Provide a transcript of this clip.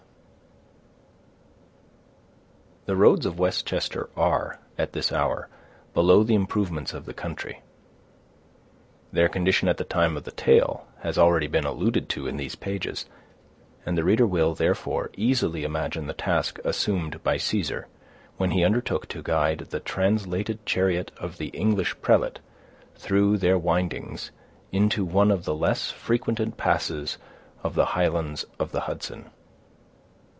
The roads of Westchester are, at this hour, below the improvements of the country. Their condition at the time of the tale has already been alluded to in these pages; and the reader will, therefore, easily imagine the task assumed by Caesar, when he undertook to guide the translated chariot of the English prelate through their windings, into one of the less frequented passes of the Highlands of the Hudson.